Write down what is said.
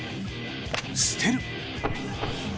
捨てる！